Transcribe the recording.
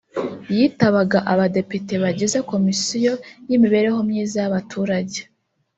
yitabaga Abadepite bagize komisiyo y’imibereho myiza y’abaturage